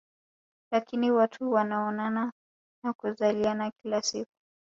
Lakini watu wanaoana na kuzaliana kila siku